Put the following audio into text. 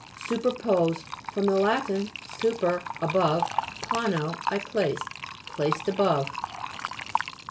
SUPERPOSED fr. lat. super, above, pono, I place. Placed above.